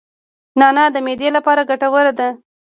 نعناع د معدې لپاره ګټوره ده